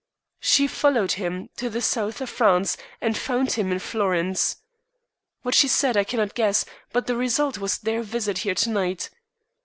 "She followed him to the South of France, and found him in Florence. What she said I cannot guess, but the result was their visit here to night.